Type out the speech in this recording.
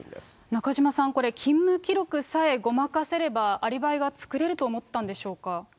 中島さん、これ、勤務記録さえごまかせれば、アリバイが作れると思ったんでしょうか。